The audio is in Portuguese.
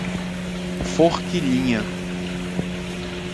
Forquilhinha